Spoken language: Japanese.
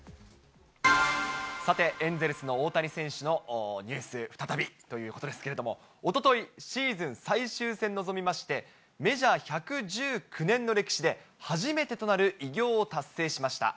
さて、エンゼルスの大谷選手のニュース、再びということですけれども、おととい、シーズン最終戦に臨みまして、メジャー１１９年の歴史で初めてとなる偉業を達成しました。